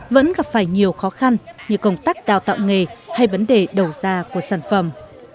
vẫn gặp phải nhiều khó khăn như công tác đào tạo nghề hay vấn đề đầu ra của sản phẩm